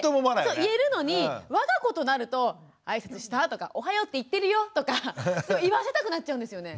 そう言えるのに我が子となると「あいさつした？」とか「おはようって言ってるよ」とか言わせたくなっちゃうんですよね。